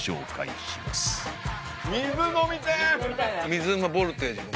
水うまボルテージ